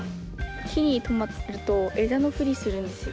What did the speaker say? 木にとまっていると枝の振りをするんですよ。